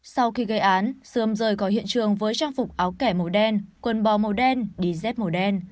sau khi gây án sườm rời khỏi hiện trường với trang phục áo kẻ màu đen quần bò màu đen đi dép màu đen